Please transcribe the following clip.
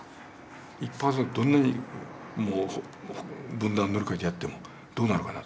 １％どんなに分断乗り越えてやってもどうなるかな。